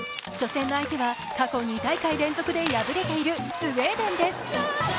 初戦の相手は過去２大会連続で敗れているスウェーデンです。